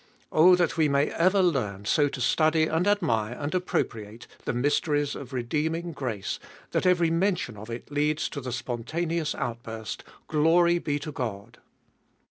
Oh that we may ever learn so to study and admire and appro priate the mysteries of redeeming grace that every mention of it leads to the spontaneons outburst : Glory be to God!